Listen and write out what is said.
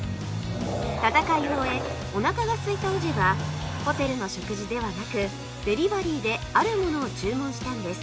戦いを終えおなかがすいたオジェはホテルの食事ではなくデリバリーであるものを注文したんです